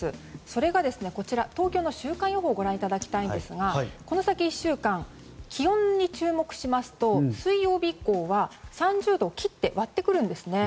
それが、東京の週間予報をご覧いただきたいんですがこの先１週間気温に注目しますと水曜日以降は３０度を割ってくるんですね。